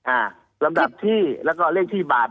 อ่าลำดับที่แล้วก็เลขที่บาท